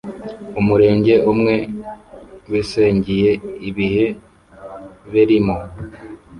umurege umwe, besengiye ibihe berimo